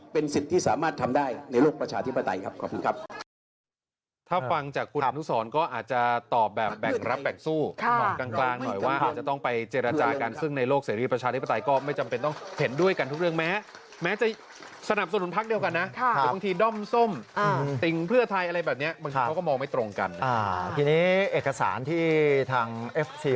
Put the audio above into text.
เป็นสิทธิ์ที่สามารถทำได้ในโลกประชาธิปไตยครับขอบคุณครับ